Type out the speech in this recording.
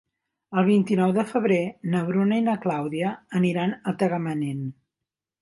El vint-i-nou de febrer na Bruna i na Clàudia aniran a Tagamanent.